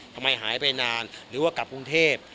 ทำไมหายไปนานหรือว่ากลับกรุงเทพ